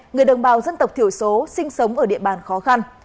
người đồng bào dân tộc thiểu số sinh sống ở địa bàn khó khăn